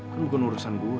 kan bukan urusan gua